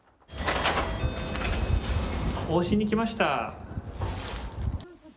往診に来ました。